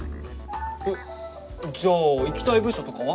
えっじゃあ行きたい部署とかは？